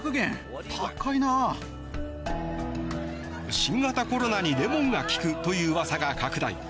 新型コロナにレモンが効くといううわさが拡大。